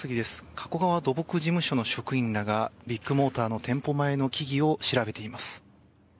加古川土木事務所の職員らがビッグモーター店舗前の木々を調べています。